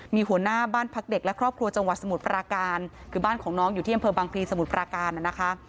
มีหัวหน้าบ้านพักเด็กและครอบครัวจังหวัดสมุทรปราการคือบ้านของน้องอยู่ที่อำเภอบางพลีสมุทรปราการนะคะ